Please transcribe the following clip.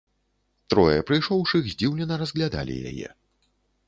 Трое прыйшоўшых здзіўлена разглядалі яе.